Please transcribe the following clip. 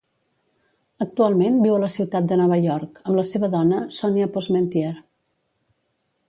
Actualment viu a la ciutat de Nova York amb la seva dona Sonya Posmentier.